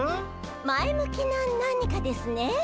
前向きな何かですね。